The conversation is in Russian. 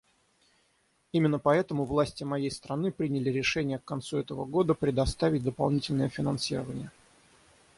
Именно поэтому власти моей страны приняли решение к концу этого года предоставить дополнительное финансирование.